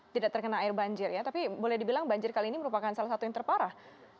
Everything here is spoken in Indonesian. tidak terkena air banjir ya tapi boleh dibilang banjir kali ini merupakan salah satu yang terparah